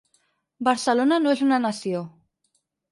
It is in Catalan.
Barcelona no és una nació.